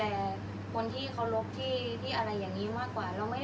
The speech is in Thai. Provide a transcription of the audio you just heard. อันไหนที่มันไม่จริงแล้วอาจารย์อยากพูด